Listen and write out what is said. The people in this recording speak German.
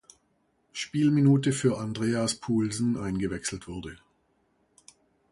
Spielminute für Andreas Poulsen eingewechselt wurde.